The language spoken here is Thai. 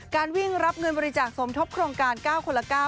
วิ่งรับเงินบริจาคสมทบโครงการ๙คนละ๙